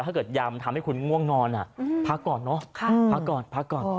ถ้าเกิดยามันทำให้คุณง่วงนอนพักก่อนเนอะพักก่อนพักก่อน